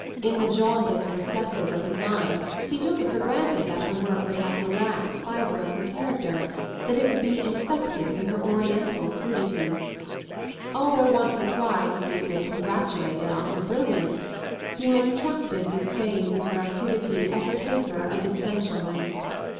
In the jaundiced recesses of his mind he took it for granted that her work would have the lax fibre of her character : that it would be infected with her Oriental crudities. Although once or twice he had been congratulated on her brilliance, he mistrusted this phase if her activity as a caper of the sensualist.